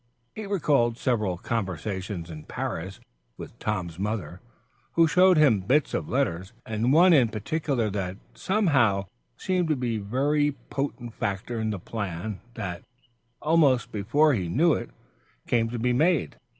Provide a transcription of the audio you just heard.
He recalled several conversations in Paris with Tom's mother, who showed him bits of letters, and one in particular that somehow seemed to be a very potent factor in the plan that, almost before he knew it, came to be made.